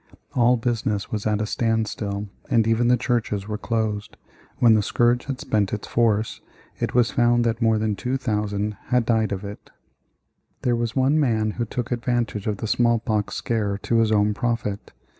All business was at a standstill, and even the churches were closed. When the scourge had spent its force, it was found that more than 2,000 had died of it. There was one man who took advantage of the small pox scare to his own profit.